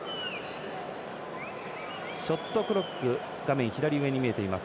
ショットクロック画面左上に見えています